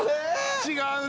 違うね」